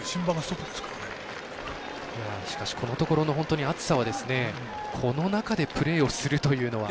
このところの暑さはこの中でプレーをするというのは。